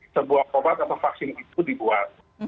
sebuah obat atau vaksin itu dibuat